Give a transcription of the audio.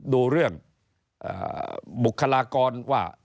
ดูเรื่องบุคลากรว่า